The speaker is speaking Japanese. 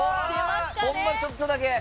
ほんのちょっとだけ。